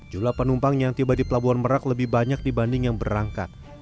jumlah penumpang yang tiba di pelabuhan merak lebih banyak dibanding yang berangkat